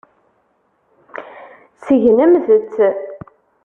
Segnemt-t.